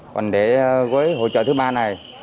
quản đế với hỗ trợ thứ ba này